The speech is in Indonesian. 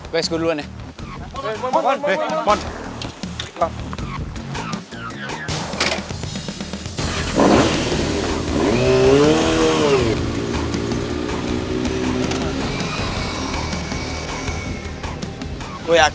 guys gue duluan ya